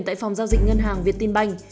tại phòng giao dịch ngân hàng việt tinh banh